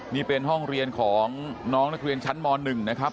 นี่เป็นห้องเรียนของน้องนักเรียนชั้นม๑นะครับ